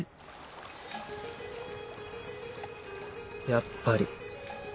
やっぱり。